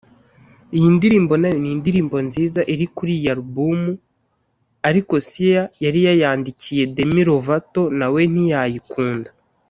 Iyi ndirimbo nayo ni indirimbo nziza iri kuri iyi alubumu ariko Sia yari yayandikiye Demi Lovato nawe ntiyayikunda